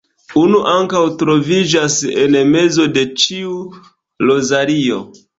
Unu ankaŭ troviĝas en mezo de ĉiu rozario.